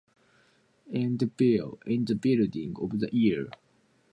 Wisdom has been a pioneer of psychedelic trance for many years.